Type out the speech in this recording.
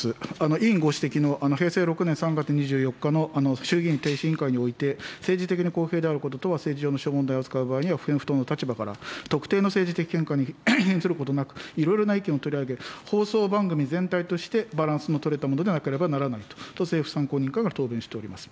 委員ご指摘の、平成６年３月２４日の衆議院逓信委員会において、政治的に公平であることとは、政治上の諸問題を扱う場合には不偏不党の立場から、政治的特定の見解に偏することなく、いろいろな意見を取り上げ、放送番組全体としてバランスの取れたものでなければならないと、政府参考人から答弁しております。